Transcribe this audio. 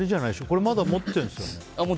これ、まだ持ってるんですか。